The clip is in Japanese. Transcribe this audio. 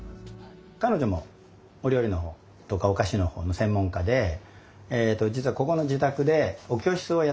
彼女もお料理の方とかお菓子の方の専門家で実はここの自宅でお教室をやってます。